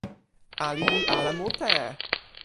ali li ala mute!